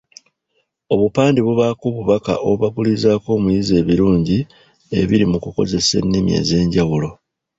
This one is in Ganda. Obupande bubaako obubaka obubagulizaako omuyizi ebirungi ebiri mu kukozesa ennimi ezenjawulo.